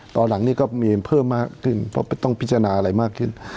ตอนหลังนี้ก็มีเพิ่มมากขึ้นเพราะต้องพิจารณาอะไรมากขึ้น